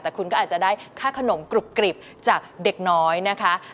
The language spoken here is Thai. แต่คุณก็อาจจะได้ค่าขนมกรุบกริบจากเด็กน้อยนะคะ